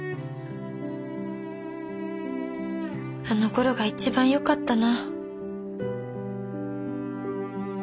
あのころが一番よかったな。